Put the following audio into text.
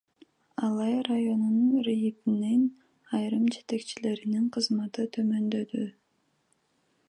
Алай районунун РИИБнин айрым жетекчилеринин кызматы төмөндөдү.